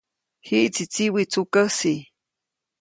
Jiʼtsi tsiwi tsukäsi.